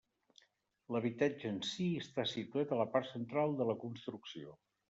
L'habitatge en si està situat a la part central de la construcció.